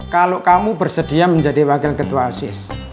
kalau kamu bersedia menjadi wakil ketua asis